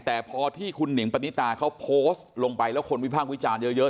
แต่พอที่คุณเหนี๋ยะประติศาสตร์เขาโพสต์ลงไปแล้วคนวิภาควิจารณ์เยอะ